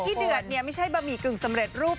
เดือดเนี่ยไม่ใช่บะหมี่กึ่งสำเร็จรูป